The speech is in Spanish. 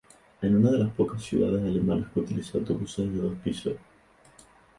Es una de las pocas ciudades alemanas que utiliza autobuses de dos pisos.